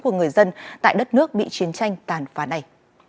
của người dân tại đất nước bị chiến tranh tàn phá này